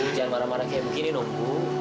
ibu jangan marah marah kayak begini dong ibu